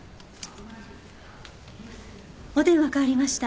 お電話代わりました。